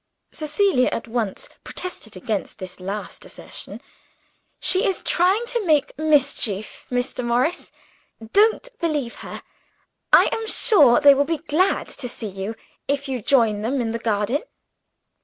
Cecilia at once protested against this last assertion. "She is trying to make mischief, Mr. Morris don't believe her. I am sure they will be glad to see you, if you join them in the garden."